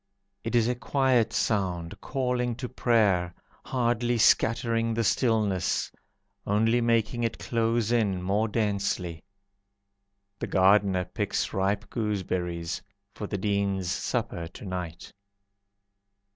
It is a quiet sound, Calling to prayer, Hardly scattering the stillness, Only making it close in more densely. The gardener picks ripe gooseberries For the Dean's supper to night.